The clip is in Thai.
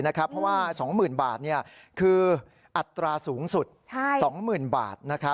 เพราะว่า๒๐๐๐บาทคืออัตราสูงสุด๒๐๐๐บาท